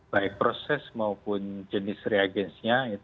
baik proses maupun jenis reagensnya